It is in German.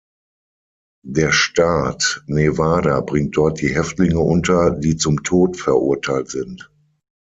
Der Staat Nevada bringt dort die Häftlinge unter, die zum Tod verurteilt sind.